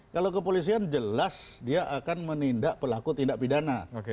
kalau kepolisian jelas dia akan menindak pelaku tindak pidana